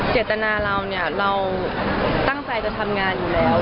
เจตนาเราเนี่ยเราตั้งใจจะทำงานอยู่แล้ว